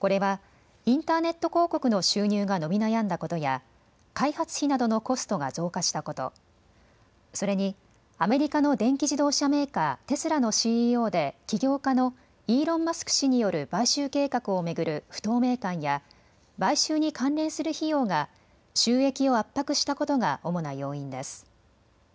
これはインターネット広告の収入が伸び悩んだことや開発費などのコストが増加したこと、それにアメリカの電気自動車メーカー、テスラのＣＥＯで起業家のイーロン・マスク氏による買収計画を巡る不透明感や買収に関連する費用が収益を圧迫したことが主な要因です。